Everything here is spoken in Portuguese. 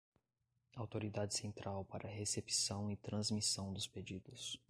autoridade central para recepção e transmissão dos pedidos